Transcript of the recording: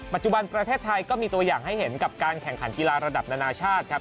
ประเทศไทยก็มีตัวอย่างให้เห็นกับการแข่งขันกีฬาระดับนานาชาติครับ